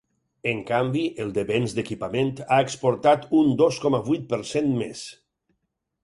En canvi, el de béns d’equipament ha exportat un dos coma vuit per cent més.